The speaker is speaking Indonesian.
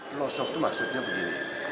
pelosok itu maksudnya begini